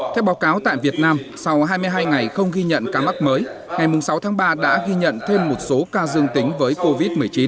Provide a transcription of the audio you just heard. theo báo cáo tại việt nam sau hai mươi hai ngày không ghi nhận ca mắc mới ngày sáu tháng ba đã ghi nhận thêm một số ca dương tính với covid một mươi chín